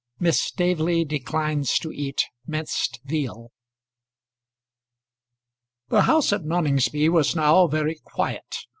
MISS STAVELEY DECLINES TO EAT MINCED VEAL. The house at Noningsby was now very quiet.